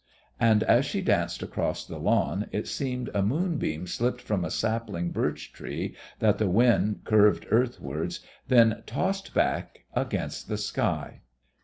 And, as she danced across the lawn, it seemed a moonbeam slipped from a sapling birch tree that the wind curved earthwards, then tossed back against the sky.